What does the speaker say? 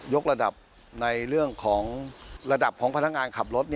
กระดับในเรื่องของระดับของพนักงานขับรถ